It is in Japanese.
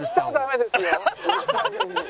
アハハハハ！